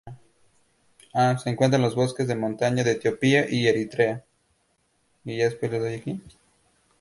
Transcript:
Se encuentra en los bosques de montaña de Etiopía y Eritrea.